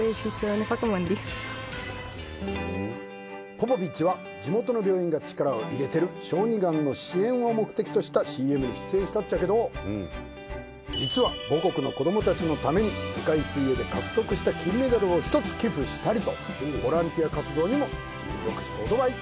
ポポビッチは地元の病院が力を入れている小児がんの支援を目的とした ＣＭ に出演したっちゃけど実は母国の子どもたちのために世界水泳で獲得した金メダルを１つ寄付したりとボランティア活動にも尽力しとうとばい